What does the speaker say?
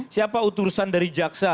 siapa utusan dari jaksa